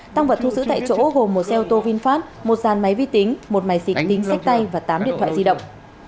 tăng vật thu giữ tại chỗ gồm một xe ô tô vinfast một giàn máy vi tính một máy xịt tính sách tay và tám điện thoại di động